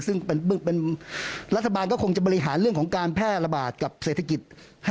ซึ่งเป็นรัฐบาลก็คงจะบริหารเรื่องของการแพร่ระบาดกับเศรษฐกิจ